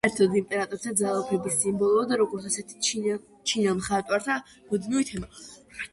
საერთოდ იმპერატორთა ძალაუფლების სიმბოლოა, და როგორც ასეთი, ჩინელ მხატვართა მუდმივი თემა.